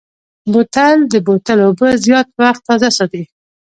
بوتل د بوتل اوبه زیات وخت تازه ساتي.